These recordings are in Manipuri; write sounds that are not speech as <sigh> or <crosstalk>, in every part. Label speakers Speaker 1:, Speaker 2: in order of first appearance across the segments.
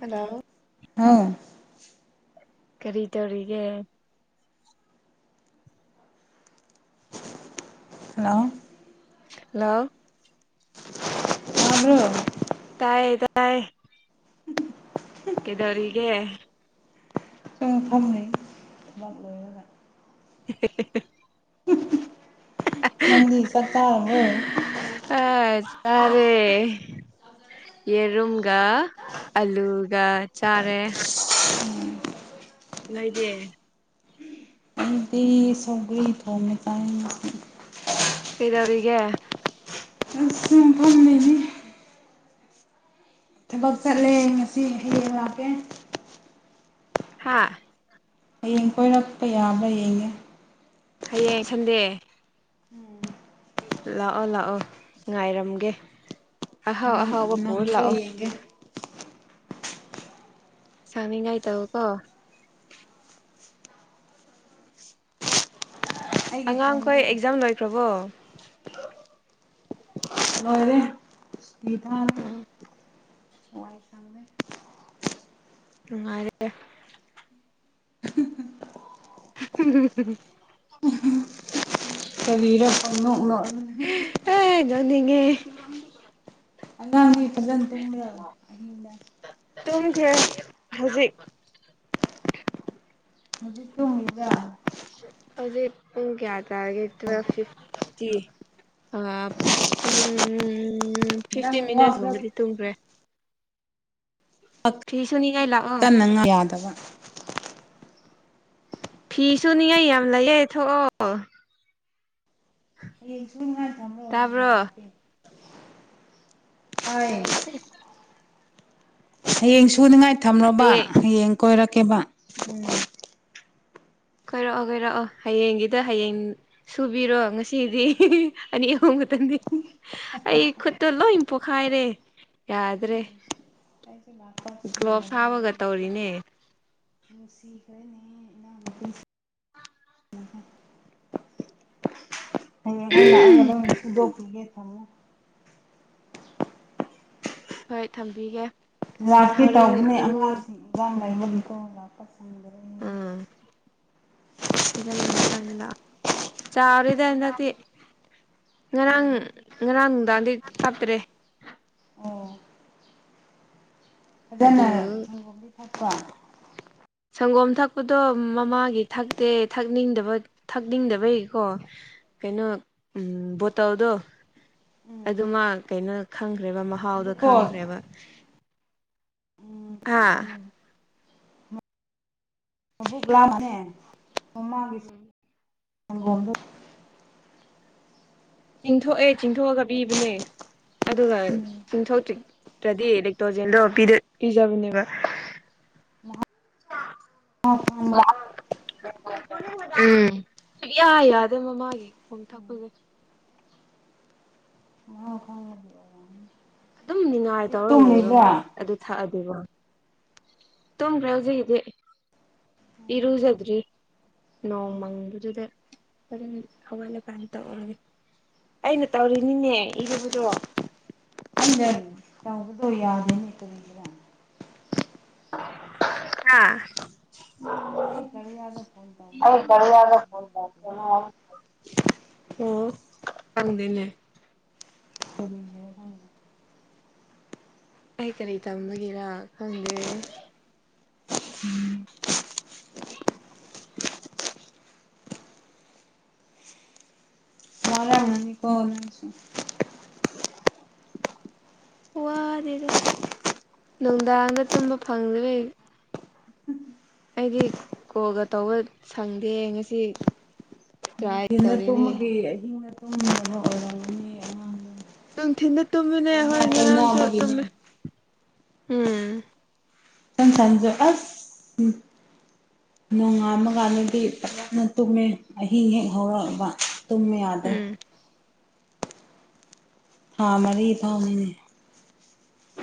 Speaker 1: ꯍꯜꯂꯣ
Speaker 2: ꯍꯥꯎ
Speaker 1: ꯀꯔꯤ ꯇꯧꯔꯤꯒꯦ
Speaker 2: ꯍꯜꯂꯣ
Speaker 1: ꯍꯜꯂꯣ
Speaker 2: ꯑꯗꯨꯣ
Speaker 1: ꯇꯥꯏꯌꯦ ꯇꯥꯏ ꯀꯗꯧꯔꯤꯒꯦ
Speaker 2: ꯁ ꯐꯝꯩ ꯝꯂꯣꯏꯣꯏ ꯑꯗꯨ
Speaker 1: <unintelligible>
Speaker 2: ꯃꯗꯤ ꯆꯠꯇ ꯑꯣꯏ
Speaker 1: ꯑ ꯆꯥꯔꯦ ꯌꯦꯔꯨꯝꯒ ꯑꯂꯨꯒ ꯆꯥꯔꯦ ꯅ ꯏꯗꯦ
Speaker 2: ꯑꯩ ꯁꯒꯔꯤ ꯊꯣꯡꯃꯦ ꯆꯥꯏ
Speaker 1: ꯀꯩꯗꯔꯤꯒ
Speaker 2: ꯁꯨꯝꯄꯩꯒꯤ ꯊꯕꯛ ꯆꯠꯂꯦ ꯉꯁꯤ ꯍꯌꯦꯡ ꯂꯥꯛꯀꯦ
Speaker 1: ꯍꯥꯥ
Speaker 2: ꯍꯌꯦꯡ ꯀꯣꯏꯔꯛꯄ ꯌꯥꯕ꯭ꯔꯥ ꯌꯦꯡꯉꯦ
Speaker 1: ꯍꯌꯦꯡ ꯁꯟꯗꯦ ꯂꯥꯛꯑꯣ ꯂꯥꯛꯑꯣ ꯉꯥꯏꯔꯝꯒꯦ ꯑꯍꯥꯎ
Speaker 2: ꯅꯪ
Speaker 1: ꯑꯍꯥꯎ ꯋꯥꯕꯄ
Speaker 2: ꯅꯪꯕ꯭ꯔꯥ
Speaker 1: ꯂꯥꯛꯑꯣ
Speaker 2: ꯌꯦꯡꯒꯦ
Speaker 1: ꯁꯅꯤꯡ ꯉꯥꯏ ꯇꯕ ꯀꯣ
Speaker 2: ꯑꯩꯒꯤ
Speaker 1: ꯑꯉꯥꯡꯈꯣꯏ
Speaker 2: ꯐꯣꯟꯗꯣ
Speaker 1: ꯑꯦꯛꯖꯥꯝ ꯂꯣꯏꯈ꯭ꯔꯕꯣ
Speaker 2: ꯂꯅꯨꯡꯣꯏꯅꯦ ꯏꯗꯥꯡ
Speaker 1: ꯎꯝ ꯎꯉꯔ ꯎ
Speaker 2: ꯁꯔꯤꯔ ꯐꯅ
Speaker 1: ꯑ ꯅꯤ <inaudible>
Speaker 2: ꯑꯉꯥꯡꯅꯤ ꯐꯖꯅ ꯇꯨꯝꯕ꯭ꯔ ꯑꯍꯗ
Speaker 1: ꯇꯨꯝꯈ꯭ꯔꯦ ꯍꯧꯖꯤꯛ
Speaker 2: ꯍꯧꯖꯤꯛ ꯇꯨꯝꯃꯤꯕ꯭ꯔꯥ
Speaker 1: ꯍꯧꯖꯤ ꯄꯨꯡ ꯀꯌꯥ ꯇꯥꯔꯒꯦ ꯇ꯭ꯋ ꯐꯤꯇꯤ ꯑ ꯄꯨꯡ ꯎꯝ
Speaker 2: ꯅꯪ
Speaker 1: ꯐꯤꯐꯇꯤꯟ
Speaker 2: ꯋꯥ ꯈꯔ
Speaker 1: ꯃꯤꯅꯠꯁꯒꯨꯝꯕꯗꯤ ꯇꯨꯡꯈ꯭ꯔꯦ ꯁꯨꯅꯤꯡꯉꯥꯏ ꯂꯥꯛꯑꯣ
Speaker 2: ꯀꯟꯅꯉ ꯌꯥꯗꯕ
Speaker 1: ꯐꯤꯁꯨꯅꯤꯉꯥꯏ ꯌꯥꯝ ꯂꯩꯌꯦ ꯊꯣꯛꯑꯣ
Speaker 2: ꯌꯦ ꯆꯨꯨꯔꯉꯥ ꯇꯝꯕꯣ ꯌꯦ
Speaker 1: ꯇꯥꯕ꯭ꯔꯣ
Speaker 2: ꯉꯄꯤꯦ ꯍ
Speaker 1: ꯇꯁ
Speaker 2: ꯍꯌꯦꯡꯁꯨ ꯄꯨꯅꯤꯡꯉꯥꯏ ꯊꯝꯔꯕ
Speaker 1: ꯍꯌꯦꯡ
Speaker 2: ꯌꯦꯡ ꯀꯣꯏꯔꯛ ꯀꯦꯕꯥ
Speaker 1: ꯀꯣꯏꯔꯛꯑꯣ ꯀꯣꯏꯔꯛꯑꯣ ꯍꯌꯦꯡꯒꯤꯗ ꯍꯌꯦꯡ ꯁꯨꯕꯤꯔꯣ ꯉꯁꯤꯗꯤ ꯑꯅꯤ ꯑꯍꯨꯝ ꯈꯛꯇꯪꯗꯤ ꯑꯩ ꯈꯨꯠꯇ ꯂꯣꯏ ꯄꯣꯛꯈꯥꯏꯔꯦ ꯌꯥꯗ꯭ꯔꯦ
Speaker 2: ꯑꯩꯁꯨ ꯂꯥꯛꯄ
Speaker 1: ꯒ꯭ꯂꯣꯞꯁ ꯍꯥꯞꯕꯒ
Speaker 2: ꯐꯪꯗꯕꯒꯤꯅꯦ
Speaker 1: ꯇꯧꯔꯤꯅꯦ
Speaker 2: ꯅꯨꯡꯁꯤꯈ꯭ꯔꯦꯅꯦ ꯏꯅꯥꯎꯅꯨꯄꯤꯁꯦ
Speaker 1: ꯎꯝ
Speaker 2: ꯑ
Speaker 1: ꯍꯣꯏ ꯊꯝꯕꯤꯒꯦ
Speaker 2: ꯂꯥꯛꯀꯦ
Speaker 1: ꯍꯣꯔꯦꯟ
Speaker 2: ꯇꯧꯕꯅꯦ
Speaker 1: ꯏꯔꯨ
Speaker 2: ꯑꯉꯥꯡꯁꯤꯡꯥꯡ ꯇꯥꯏꯀꯂꯥꯛ ꯄꯁꯗ
Speaker 1: ꯎꯝ ꯏꯖꯝ ꯂ ꯀ ꯂꯥꯛꯑꯣ ꯆꯥꯔꯤꯗ ꯍꯟꯗꯛꯇꯤ ꯉꯔꯥꯡ ꯉꯔꯥꯡ ꯅꯨꯡꯗꯥꯡꯗꯤ ꯀꯥꯞꯇ꯭ꯔꯦ ꯑꯗꯨ
Speaker 2: ꯑꯗꯨꯗꯅ ꯋꯥꯟ
Speaker 1: ꯁꯪꯒꯣꯝ ꯊꯛꯄꯗꯣ ꯃꯃꯥꯒꯤ ꯊꯛꯇꯦ ꯊꯛꯅꯤꯡꯗꯕ ꯊꯛꯅꯤꯡꯗꯕꯩꯀꯣ ꯀꯩꯅꯣ ꯕꯣꯇꯜꯗꯣ
Speaker 2: ꯎꯝ
Speaker 1: ꯑꯗꯨꯃ ꯀꯩꯅꯣ ꯈꯪꯉ ꯈꯪꯈ꯭ꯔꯦꯕ ꯃꯍꯥꯎꯗ
Speaker 2: ꯑꯗꯨꯀꯣ
Speaker 1: ꯈꯪꯈ꯭ꯔꯦꯕ
Speaker 2: ꯎꯝ
Speaker 1: ꯍꯥꯥ
Speaker 2: ꯌꯥꯝ ꯕꯨꯒ ꯂꯥ ꯃꯅꯦ
Speaker 1: ꯎꯝ
Speaker 2: <unintelligible>
Speaker 1: ꯆꯤꯡꯊꯣꯛꯑꯦ ꯆꯤꯡꯊꯣꯛꯑꯒ ꯄꯤꯕꯅꯦ ꯑꯗꯨꯒ ꯆꯤꯡꯊꯧꯇ꯭ꯔꯤ ꯇ꯭ꯔꯗꯤ ꯂꯦꯛꯇ꯭ꯔꯣꯖꯦꯟꯗꯣ ꯄꯤꯗ ꯄꯤꯖꯕꯅꯦꯕ
Speaker 2: ꯑ <unintelligible>
Speaker 1: ꯎꯝ ꯁꯨꯛꯌꯥ ꯌꯥꯗꯦ ꯃꯃꯥꯒꯤ ꯈꯣꯝ ꯊꯛꯄꯖꯦ
Speaker 2: ꯃꯍꯥꯎ ꯈꯪꯕꯒꯤ ꯑꯣꯏꯔꯝꯅꯤ
Speaker 1: ꯑꯗꯨꯝꯅꯤꯅ ꯥꯑꯥꯏ
Speaker 2: ꯍꯧꯖꯤꯛ
Speaker 1: ꯇꯧꯔ ꯂꯩꯕꯔ꯭
Speaker 2: ꯇꯨꯝꯃꯤꯕ꯭ꯔꯥ
Speaker 1: ꯃꯥ ꯑꯗꯨ ꯊꯛꯑ ꯇꯨꯝꯗ꯭ꯔꯦ ꯍꯧꯖꯤꯛꯀꯤꯗꯤ ꯏꯔꯨꯖꯗ꯭ꯔꯤ ꯅꯣꯡꯃꯪꯕꯗꯨꯗ ꯍꯣꯔꯦꯟ ꯍꯧꯒꯠꯂꯀꯟ ꯇꯧꯔꯒꯦ ꯑꯩꯅ ꯇꯧꯔꯤꯅꯤꯅꯦ ꯏꯔꯨꯕꯗꯣ
Speaker 2: <unintelligible> ꯀꯔꯤꯒꯤꯔꯥ
Speaker 1: ꯑꯥ
Speaker 2: ꯑꯩ ꯀꯔꯤꯌꯥꯗ ꯐꯣꯟ ꯇꯔ <unintelligible>
Speaker 1: ꯊꯪꯗꯦꯅꯦ
Speaker 2: <unintelligible>
Speaker 1: ꯀꯔꯤ ꯀꯔꯤ ꯇꯝꯕꯒꯦꯔꯥ ꯈꯪꯗꯦ
Speaker 2: ꯃꯥꯂꯉꯅꯤ ꯀꯣ ꯅꯪꯁꯨ
Speaker 1: ꯋꯥꯗꯦꯒ ꯅꯨꯡꯗꯥꯡꯗ ꯇꯨꯝꯕ ꯐꯪꯔꯦ ꯑꯩꯗꯤ ꯀꯣꯜꯒ ꯇꯧꯕ ꯁꯪꯗꯦ ꯉꯁꯤ ꯇ꯭ꯔꯥꯏ
Speaker 2: ꯅꯨꯡꯊꯤꯜꯅ
Speaker 1: ꯇꯧꯔꯤꯅꯦ
Speaker 2: ꯇꯨꯝꯃꯒꯦ ꯑꯍꯤꯡꯅ ꯄꯨꯨꯝ ꯑꯃ ꯑꯣꯏꯔꯝ ꯃꯤ ꯑꯉꯥꯡꯅ
Speaker 1: ꯅꯨꯡꯊꯤꯟꯗ ꯇꯨꯝꯃꯤꯅꯦ ꯍꯣꯏ ꯉꯔꯥꯡꯁꯨ
Speaker 2: ꯇꯩꯅꯕꯒꯤꯅꯦ
Speaker 1: ꯇꯨꯝꯃꯦ ꯎꯝ
Speaker 2: ꯁꯟ ꯁꯟꯁꯨ ꯑꯁ ꯎ ꯅꯣꯡꯉꯥꯝꯃ ꯀꯥꯟꯗꯗꯤ ꯐꯖꯅ ꯇꯨꯝꯃꯦ ꯑꯍꯤꯡ ꯍꯦꯛ ꯍꯧꯔꯛꯑꯕ ꯇꯨꯨꯝꯃꯤ ꯌꯥꯗꯔ꯭ꯦ
Speaker 1: ꯎꯝ
Speaker 2: ꯊꯥ ꯃꯔꯤ ꯐꯥꯎꯃꯤꯅꯦ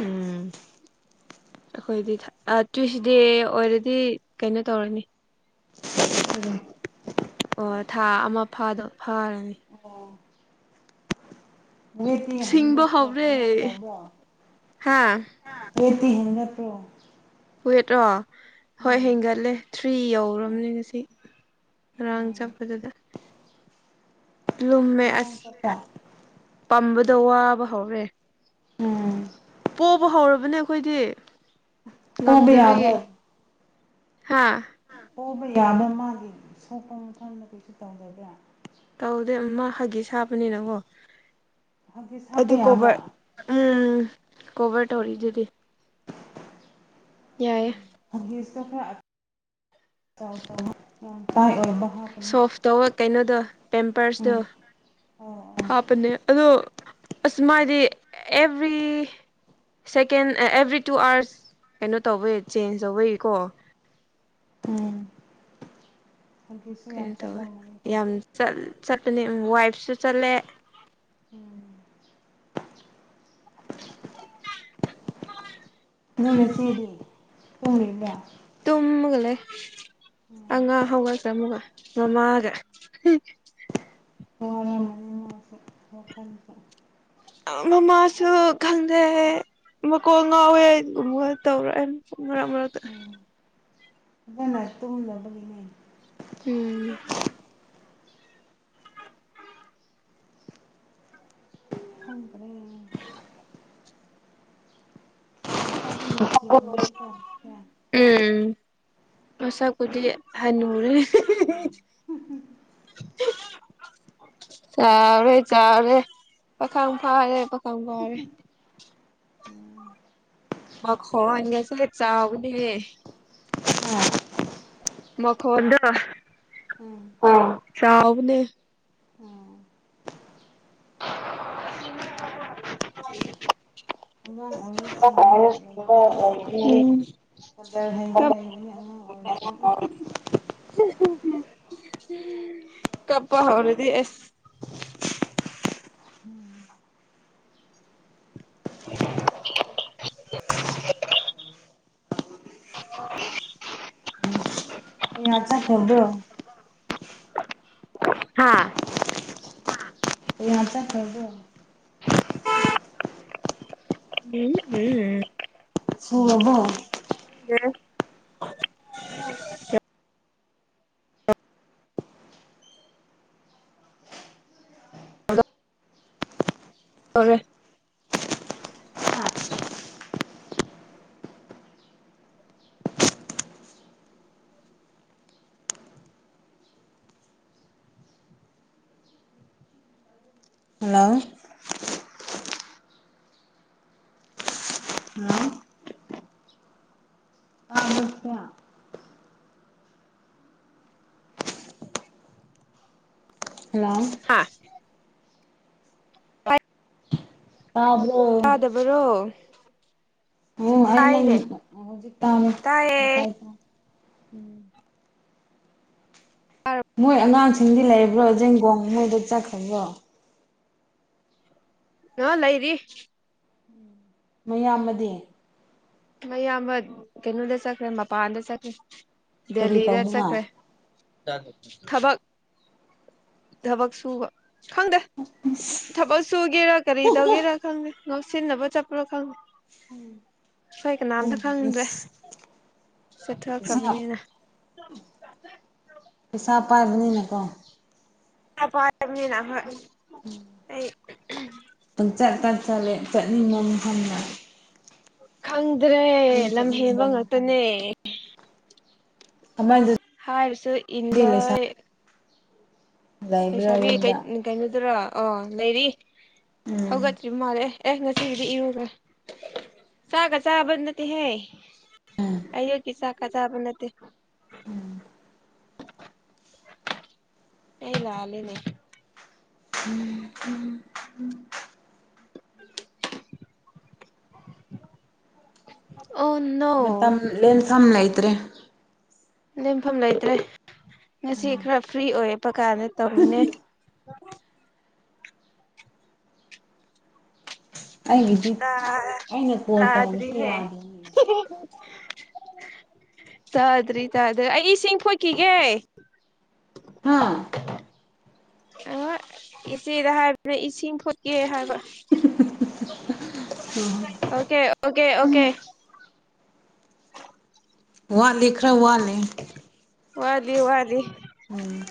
Speaker 1: ꯎꯝ ꯑꯩꯈꯣꯏꯗꯤ ꯇ꯭ꯋꯤꯁꯗꯦ ꯑꯣꯏꯔꯗꯤ ꯀꯩꯅꯣ ꯇꯧꯔꯅꯤ ꯑꯣ ꯊꯥ ꯑꯃꯥ ꯐꯗꯣ ꯐꯥꯔꯅꯤ ꯁꯤꯡꯕ
Speaker 2: <unintelligible>
Speaker 1: ꯍꯧꯔꯦ
Speaker 2: ꯀꯃꯥꯏ ꯇꯕ꯭ꯔ
Speaker 1: ꯍꯥ
Speaker 2: ꯃꯦꯠꯇꯤ ꯍꯦꯟꯒꯠꯇ꯭ꯔꯣ
Speaker 1: ꯋꯦꯠꯔꯣ ꯍꯣꯏ ꯍꯦꯟꯒꯠꯂꯦ ꯊ꯭ꯔꯤ ꯌꯧꯔꯕꯅꯦ ꯉꯁꯤ ꯔꯥꯡ
Speaker 2: ꯎꯝ
Speaker 1: ꯆꯠꯄꯗꯨꯗ ꯂꯨꯝꯃꯦ
Speaker 2: ꯃꯑꯣꯡ
Speaker 1: ꯑꯁ
Speaker 2: ꯆꯠꯄ
Speaker 1: ꯄꯝꯕ ꯗꯋꯥꯕ ꯍꯧꯔꯦ ꯄꯣ ꯕ ꯍꯧꯔꯕꯅꯦ ꯑꯩꯈꯣꯏꯗꯤ
Speaker 2: ꯄꯨꯕ
Speaker 1: ꯉꯝꯗꯕꯒꯤ
Speaker 2: ꯌꯥꯕ
Speaker 1: ꯍꯥꯥ
Speaker 2: ꯍꯕ ꯌꯥꯕ ꯃꯥꯒꯤ ꯁꯣꯛꯄ ꯃꯐꯝꯗ ꯀꯩꯁꯨ ꯇꯧꯗꯕ꯭ꯔꯥ
Speaker 1: ꯇꯧꯗꯦ ꯑꯃ ꯐꯥꯒꯦ ꯁꯥꯞꯄꯅꯤꯅꯪꯀꯣ
Speaker 2: ꯍꯒꯤꯁ ꯍꯥꯞꯄ
Speaker 1: ꯑꯗꯨ
Speaker 2: ꯌꯥꯕ꯭ꯔꯥ
Speaker 1: ꯀꯣꯚꯔ ꯎꯝ ꯀꯣꯚꯔ ꯇꯧꯔꯤꯗꯨꯗꯤ ꯌꯥꯏꯑ
Speaker 2: <unintelligible> ꯍꯥꯞꯀꯅꯨ
Speaker 1: ꯁꯣꯐ ꯇꯧꯕ ꯀꯩꯅꯣꯗꯣ ꯄꯦꯝꯄꯔꯁꯇꯣ
Speaker 2: ꯎꯝ ꯑꯣ ꯑꯣ
Speaker 1: ꯍꯥꯞꯄꯅꯦ ꯑꯗꯣ ꯑꯁꯃꯗꯤ every second every two hours ꯀꯩꯅꯣ ꯇꯧꯕꯩ ꯆꯦꯟꯖ ꯇꯧꯕꯒꯤꯀꯣ
Speaker 2: ꯎꯝ ꯍꯒꯤꯁꯁꯨ
Speaker 1: ꯀꯩꯅꯣ
Speaker 2: ꯌꯥꯝ
Speaker 1: ꯇꯧꯋꯦ
Speaker 2: ꯆꯠꯂꯝꯃꯅꯤꯀꯣ
Speaker 1: ꯌꯥꯝ ꯆꯠꯄꯅꯤ ꯋꯥꯏꯐꯁꯨ ꯆꯠꯂꯦ <unintelligible>
Speaker 2: ꯂꯩꯅꯦ ꯁꯤꯦꯔꯤ ꯎꯔꯗ
Speaker 1: ꯇꯃꯒ ꯂꯩꯦ
Speaker 2: ꯎꯝ
Speaker 1: ꯑꯉ ꯍꯧꯒ ꯆ꯭ꯔ ꯃꯨꯒ ꯃ ꯃꯥꯒ
Speaker 2: ꯍꯔ
Speaker 1: ꯃꯃꯥꯁꯨ ꯈꯪꯗꯩꯍꯦ ꯃꯀꯣꯟꯜ ꯉꯥꯎꯋꯦꯒꯨꯝꯕ ꯇꯧꯔꯛꯑꯅꯤ ꯃꯔꯕꯔꯗ
Speaker 2: ꯅ ꯇꯨ ꯂꯕꯒꯅꯦ
Speaker 1: ꯎꯝ
Speaker 2: ꯍ ꯀꯔ
Speaker 1: ꯍ
Speaker 2: ꯁꯒꯅꯅꯨꯡꯁꯤ ꯃꯅꯤ ꯀꯣ ꯀ
Speaker 1: ꯍꯁ ꯀꯗꯤ ꯍꯅꯔꯤ <unintelligible> ꯆꯥꯎꯔꯦ ꯆꯥꯎꯔꯦ ꯄꯥꯈꯪ ꯐꯥꯔꯦ ꯀꯪꯒꯔꯦ
Speaker 2: ꯎꯝ
Speaker 1: ꯃ ꯍꯣꯒꯦꯁ ꯆꯒꯅꯦꯦ
Speaker 2: ꯑ
Speaker 1: ꯑ
Speaker 2: ꯎꯝ
Speaker 1: ꯑ ꯆꯥꯎꯥꯎꯕꯅꯦ
Speaker 2: ꯎꯝ ꯑꯉꯥꯡ ꯑꯣꯏꯔ
Speaker 1: <unintelligible> ꯑ
Speaker 2: ꯁꯤꯡꯕ ꯂꯩꯕꯅꯤ ꯀꯗꯔ ꯍꯩꯕ ꯂꯩꯕꯅꯤ ꯑꯉꯥꯡ ꯑꯣꯏꯔꯁꯨ
Speaker 1: ꯀꯞ ꯄ ꯍꯧꯔꯗꯤ ꯑꯦꯁ
Speaker 2: ꯎꯝ
Speaker 1: <unintelligible> <unintelligible>
Speaker 2: <unintelligible>
Speaker 1: ꯍꯥꯥ
Speaker 2: <unintelligible>
Speaker 1: ꯎꯝ ꯎꯝ
Speaker 2: <unintelligible>
Speaker 1: <inaudible> ꯐꯔꯦ꯫
Speaker 2: ꯍꯜꯂꯣ꯫ ꯍꯜꯂꯣ ꯇꯥꯕ꯭ꯔꯣ ꯏꯆꯥ ꯍꯜꯂꯣ꯫
Speaker 1: ꯍꯥ
Speaker 2: ꯇꯥꯕ꯭ꯔꯣ
Speaker 1: ꯇꯥꯗꯕꯔꯣ? ꯇꯥꯏꯅꯦ
Speaker 2: <unintelligible>
Speaker 1: ꯇꯥꯏꯌꯦ
Speaker 2: ꯎꯝ꯫ ꯃꯣꯏ ꯑꯉꯥꯡꯁꯤ ꯗꯤ ꯂꯩꯕ꯭ꯔꯣ ꯖꯦꯟꯒꯣꯡ ꯃꯣꯏꯗ ꯆꯠꯈ꯭ꯔꯕ꯭ꯔꯣ?
Speaker 1: ꯑ ꯂꯩꯔꯤ꯫
Speaker 2: ꯃꯌꯥꯝꯕꯗꯤ?
Speaker 1: ꯃꯌꯥꯝꯕ ꯀꯩꯅꯣꯗ ꯆꯠꯈ꯭ꯔꯦ ꯃꯄꯥꯟꯗ ꯆꯠꯈ꯭ꯔꯦ꯫
Speaker 2: ꯀꯔꯤ
Speaker 1: ꯗꯦꯜꯂꯤꯗ
Speaker 2: ꯇꯧꯅꯤꯡꯉꯥꯏ
Speaker 1: ꯆꯠꯈ꯭ꯔꯦ꯫ <inaudible> ꯊꯕꯛ ꯊꯕꯛ ꯁꯨꯕ꯫ ꯈꯪꯗꯦ ꯊꯕꯛ ꯁꯨꯒꯦꯔꯥ ꯀꯔꯤ ꯇꯧꯒꯦꯔꯥ ꯈꯪꯗꯦ꯫ ꯉꯥꯎꯁꯤꯟꯅꯕ ꯆꯠꯄ꯭ꯔꯣ ꯈꯪ
Speaker 2: ꯎꯝ꯫
Speaker 1: ꯍꯣꯏ ꯀꯅꯥꯝꯇ ꯈꯪꯗ꯭ꯔꯦ
Speaker 2: ꯄꯩꯁꯥ
Speaker 1: ꯆꯠꯊꯈ꯭ꯔꯕꯅꯤꯅ꯫
Speaker 2: ꯄꯩꯁꯥ ꯄꯥꯏꯕꯅꯤꯅꯀꯣ
Speaker 1: ꯑ ꯄꯔꯕꯅꯤꯅ ꯍꯣꯏ ꯑꯩ
Speaker 2: ꯄꯪꯆꯠ ꯇꯥ ꯆꯠꯂꯦ ꯆꯠꯅꯤꯡꯅꯝ ꯍꯟꯅ
Speaker 1: ꯍꯪ ꯑꯗꯨ ꯑꯗꯨ꯭ꯔꯦ ꯂꯝ ꯍꯦꯟꯕ ꯉꯛꯇꯅꯦ
Speaker 2: ꯃꯐꯝꯗ ꯑꯃꯗꯨꯗꯤ
Speaker 1: ꯍꯥꯏꯁ
Speaker 2: ꯂꯩꯁꯥ
Speaker 1: ꯏꯟꯂꯣꯏ
Speaker 2: ꯂꯩꯕ꯭ꯔꯥ
Speaker 1: ꯄꯩꯁꯥꯕꯤ
Speaker 2: ꯌꯨꯝꯗ
Speaker 1: ꯀꯩꯅꯣꯗꯔꯥ ꯑꯥ ꯂꯩꯔꯤ
Speaker 2: ꯎꯝ
Speaker 1: ꯍꯒꯇꯔꯤ ꯃꯥꯔꯦ ꯑꯦꯁ ꯉꯁꯤꯒꯤꯗꯤ ꯏꯔꯨꯒ ꯆꯥꯒ ꯆꯥꯕꯗꯤ ꯅꯠꯇꯦꯍꯦ ꯀꯌꯣ ꯀꯁꯥ ꯀꯖꯕ ꯅꯠꯇꯦ
Speaker 2: ꯎꯝ
Speaker 1: <inaudible> ꯑꯩ ꯂꯥꯦꯅꯦ
Speaker 2: ꯎꯝꯝꯝ
Speaker 1: ꯑꯣ ꯅꯣ
Speaker 2: ꯃꯝ ꯂꯦꯟ ꯁꯝꯅ ꯑꯇꯦ <inaudible>
Speaker 1: ꯂꯦꯝꯐꯝ ꯂꯩꯇ꯭ꯔꯦ ꯉꯁꯤ ꯈꯔ ꯐ꯭ꯔꯤ ꯑꯣꯏꯔꯛꯄ ꯀꯥꯟꯗ ꯇꯧꯅꯦ
Speaker 2: ꯑꯩꯒꯤꯗꯤ ꯑꯩꯅ ꯀꯣꯜ ꯇꯧꯕꯁꯨ
Speaker 1: ꯑꯥꯗ꯭ꯔꯤꯅꯦ
Speaker 2: ꯌꯥꯗꯦꯅꯦ
Speaker 1: ꯇꯥꯗ꯭ꯔꯤ ꯇꯥꯗ꯭ꯔꯔꯤ ꯑꯩ ꯏꯁꯤꯡ ꯄꯣꯛꯈꯤꯒꯦ
Speaker 2: ꯍꯥ
Speaker 1: ꯑ ꯏꯆꯦꯗ ꯍꯥꯏꯕꯅ ꯏꯁꯤꯡ ꯈꯠꯀꯦ ꯍꯥꯏꯕ ꯑꯣꯀꯦ ꯑꯣꯀꯦ
Speaker 2: ꯎꯝ
Speaker 1: ꯑꯣꯀꯦ
Speaker 2: ꯋꯥ ꯂꯤꯈ꯭ꯔ ꯋꯥ <inaudible>
Speaker 1: ꯋꯥꯗꯤ ꯋꯥꯗꯤ
Speaker 2: ꯎꯝ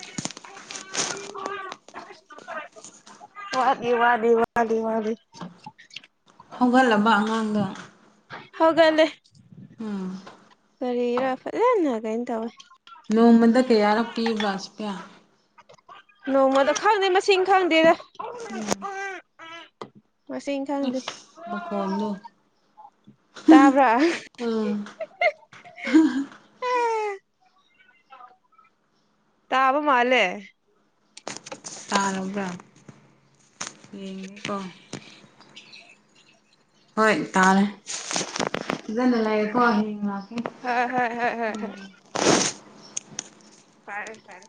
Speaker 1: ꯋꯥꯅꯤ ꯋꯥꯅꯤ ꯋꯥꯂꯤ ꯃꯥꯂꯤ
Speaker 2: ꯍꯧꯒꯠꯂꯕ ꯑꯉꯥꯡꯗ
Speaker 1: ꯍꯒꯂꯦ ꯀꯔꯤꯔ ꯐꯠꯂꯦꯅ ꯀꯥꯏꯩꯅꯅ ꯇꯧꯋꯦ
Speaker 2: ꯅꯣꯡꯃꯗ ꯀꯦ ꯌꯥꯔ ꯄ ꯁ ꯄꯌꯥ
Speaker 1: ꯅꯣꯡꯃꯗ ꯈꯪꯗꯦ ꯃꯁꯤꯡ ꯈꯪꯗꯦꯗ
Speaker 2: ꯎꯝ
Speaker 1: ꯃꯁꯤꯡ ꯈꯪꯗꯦ
Speaker 2: ꯃꯈꯣꯝꯅꯣ
Speaker 1: ꯇꯕ ꯇꯥꯕ ꯃꯥꯂꯦ
Speaker 2: ꯇꯥꯔꯕ꯭ꯔꯥ ꯌꯦꯡꯉꯦꯀꯣ ꯍꯣꯏ ꯇꯥꯔꯦ ꯑꯗꯨꯅ ꯂꯥꯏꯑꯀꯀꯦ
Speaker 1: ꯍꯣꯏ ꯍꯣꯏ ꯍꯣꯏ ꯍꯣꯏ ꯍꯣꯏ ꯐꯔꯦ ꯐꯔꯦ